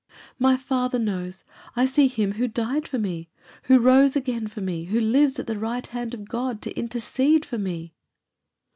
"My father knows. I see Him who died for me, who rose again for me, who lives at the right hand of God to intercede for me."